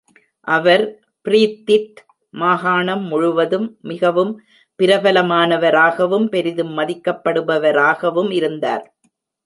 அவர், ப்ரீத்திட் மாகாணம் முழுவதும் மிகவும் பிரபலமானவராகவும், பெரிதும் மதிக்கப்படுபவராகவும் இருந்தார்.